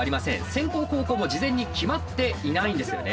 先攻後攻も事前に決まっていないんですよね。